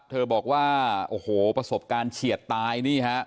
เธอบอกว่าโอ้โหประสบการณ์เฉียดตายนี่ฮะ